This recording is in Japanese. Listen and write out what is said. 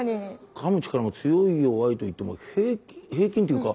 かむ力が強い弱いといっても平均っていうか。